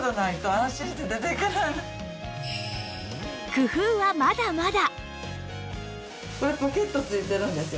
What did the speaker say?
工夫はまだまだ！